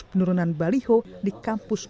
penurunan baliho di kampus